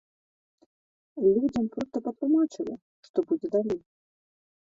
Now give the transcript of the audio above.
Людзям проста патлумачылі, што будзе далей.